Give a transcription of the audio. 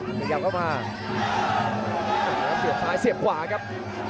พยายามเข้ามาเสียบซ้ายเสียบขวาครับ